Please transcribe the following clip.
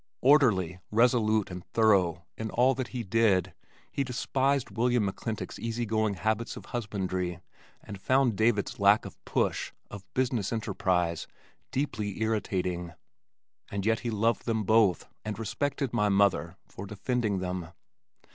Orderly, resolute and thorough in all that he did, he despised William McClintock's easy going habits of husbandry, and found David's lack of "push," of business enterprise, deeply irritating. And yet he loved them both and respected my mother for defending them.